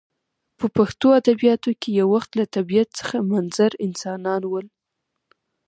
په پښتو ادبیاتو کښي یو وخت له طبیعت څخه منظر انسانان ول.